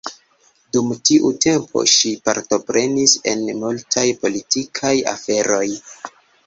Dum tiu tempo ŝi partoprenis en multaj politikaj aferoj.